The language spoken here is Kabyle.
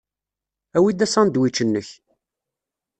Awi-d asandwič-nnek.